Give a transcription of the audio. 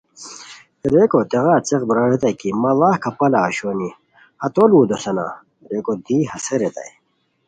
ریکو تیغار څیق برار ریتائے کی مڑاغ کپالہ اوشونی ہتو لؤ دوسانا؟ ریکو دی ہسے ریتائے